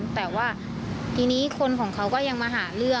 แต่ว่าทีนี้คนของเขาก็ยังมาหาเรื่อง